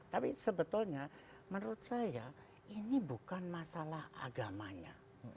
tapi sebetulnya menurut saya ini bukan masalah agamanya